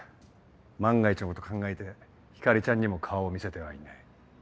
万が一のこと考えて光莉ちゃんにも顔を見せてはいない。